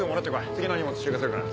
次の荷物集荷するから。